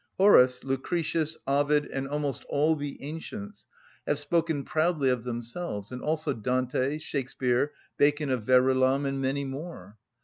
Horace, Lucretius, Ovid, and almost all the ancients have spoken proudly of themselves, and also Dante, Shakspeare, Bacon of Verulam, and many more.